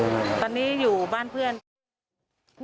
ตอนนี้อยู่บ้านเพื่อนค่ะ